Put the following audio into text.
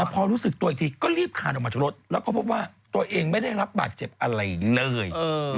พอรู้สึกตัวอีกทีก็รีบคานออกมาจากรถแล้วก็พบว่าตัวเองไม่ได้รับบาดเจ็บอะไรเลย